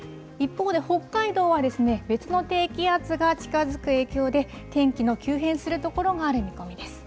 一方で、北海道はですね、別の低気圧が近づく影響で、天気の急変する所がある見込みです。